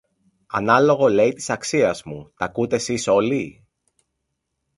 Ανάλογο, λέει, της αξίας μου, τ' ακούτε σεις όλοι;